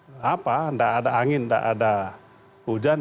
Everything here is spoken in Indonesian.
enggak ada angin enggak ada hujan